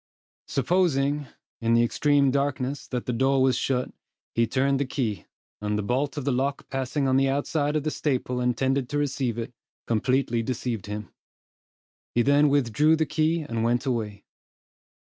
Supposing, in the extreme darkness, that the door was shut, he turned the key; and the bolt of the lock passing on the outside of the staple intended to receive it, completely deceived him. He then withdrew the key, and went away.